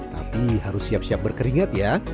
tapi harus siap siap berkeringat ya